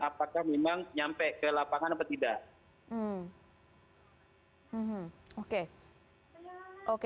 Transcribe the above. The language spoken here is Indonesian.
apakah memang nyampe ke lapangan atau tidak